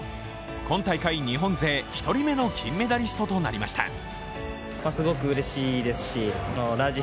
今大会日本勢１人目の金メダリストとなりました。